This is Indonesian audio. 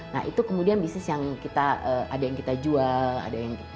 nah itu kemudian bisnis yang kita ada yang kita jual ada yang kita